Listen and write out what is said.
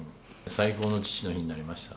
最高の父の日になりました。